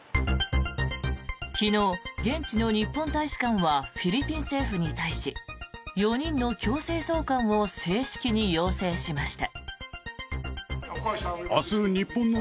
昨日、現地の日本大使館はフィリピン政府に対し４人の強制送還を正式に要請しました。